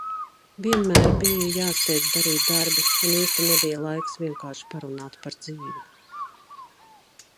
Vienmēr bija jāsteidz darīt darbi un īsti nebija laiks vienkārši parunāt par dzīvi.